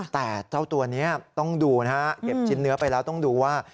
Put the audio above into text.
แต่เจ้าตัวนี้ต้องดูนะฮะเก็บชิ้นเนื้อไปแล้วต้องดูว่า